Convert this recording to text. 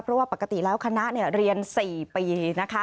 เพราะว่าปกติแล้วคณะเรียน๔ปีนะคะ